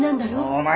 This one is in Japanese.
お前